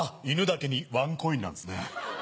犬だけに「ワンコイン」なんですね。